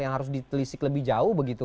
yang harus ditelisik lebih jauh begitu